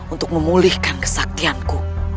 untuk memulihkan kesaktianku